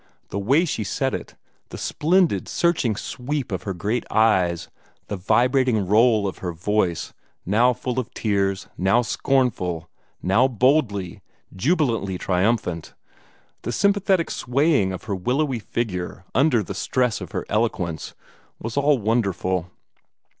The way she said it the splendid, searching sweep of her great eyes; the vibrating roll of her voice, now full of tears, now scornful, now boldly, jubilantly triumphant; the sympathetic swaying of her willowy figure under the stress of her eloquence was all wonderful.